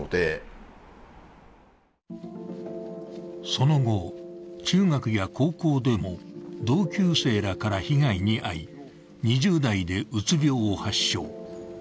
その後、中学や高校でも同級生らから被害に遭い、２０代でうつ病を発症。